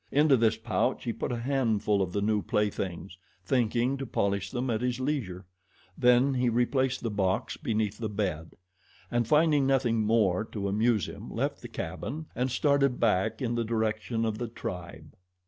Into this pouch he put a handful of the new playthings, thinking to polish them at his leisure; then he replaced the box beneath the bed, and finding nothing more to amuse him, left the cabin and started back in the direction of the tribe.